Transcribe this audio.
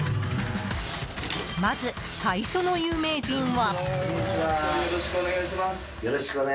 まず、最初の有名人は。